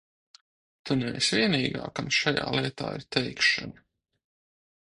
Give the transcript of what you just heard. Tu neesi vienīgā, kam šajā lietā ir teikšana!